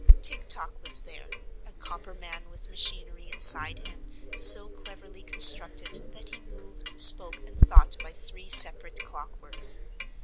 Tik Tok was there, a copper man with machinery inside him, so cleverly constructed that he moved, spoke and thought by three separate clock works.